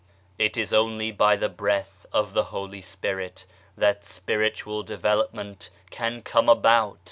It is only by the Breath of the Holy Spirit that spiritual development can come about.